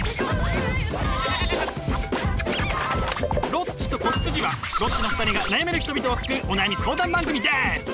「ロッチと子羊」はロッチの２人が悩める人々を救うお悩み相談番組です！